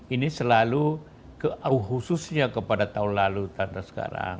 ini selalu khususnya kepada tahun lalu tanda sekarang